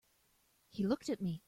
He looked at me.